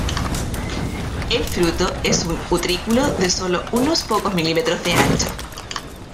El fruto es un utrículo de sólo unos pocos milímetros de ancho.